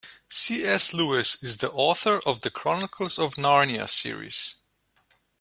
C.S. Lewis is the author of The Chronicles of Narnia series.